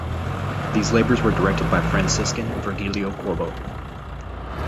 These labors were directed by Franciscan Virgilio Corbo.